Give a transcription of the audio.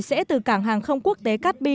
sẽ từ cảng hàng không quốc tế cát bi